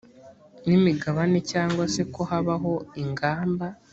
n imigabane cyangwa se ko habaho ingamba